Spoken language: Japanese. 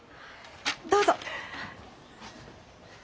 どうぞ。